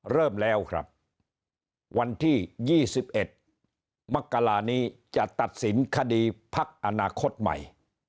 เริ่มแล้วครับวันที่ยี่สิบเอ็ดมักกะลานี้จะตัดสินคดีพักอนาคตใหม่